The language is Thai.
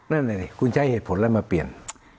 นั่นเลยคุณใช้เหตุผลแล้วมาเปลี่ยน